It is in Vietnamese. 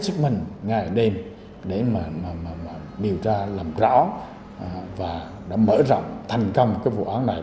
sức mình ngay ở đêm để mà điều tra làm rõ và đã mở rộng thành công cái vụ án này